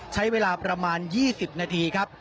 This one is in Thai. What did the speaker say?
ใช้เวลาประมาณ๒๐นาทีครับ